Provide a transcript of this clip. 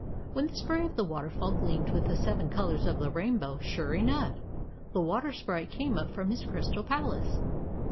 When the spray of the waterfall gleamed with the seven colors of the rain bow, sure enough! the water sprite came up from his crystal palace.